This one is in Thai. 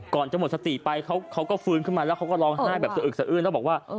ก่อนจะหมดสติไปเขาก็ฟื้นขึ้นมาแล้วเขาก็ร้องไห้แบบสะอึกสะอื้นแล้วบอกว่า